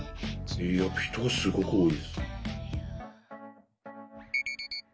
いや人がすごく多いです。